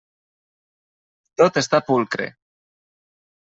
Tot està pulcre.